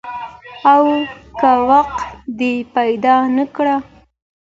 او که وخت دې پیدا نه کړ؟